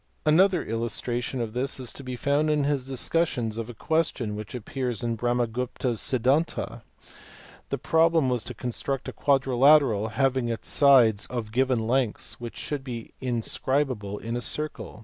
Another illustration of this is to be found in his discussion of a question which appears in Brahmagupta s Siddhanta. The problem was to construct a quadrilateral, having its sides of given lengths, which should be inscribable in a circle.